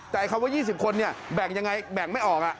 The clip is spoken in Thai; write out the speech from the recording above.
แต่คำว่า๒๐คนแบ่งอย่างไรแบ่งไม่ออก